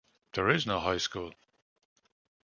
There is no high school.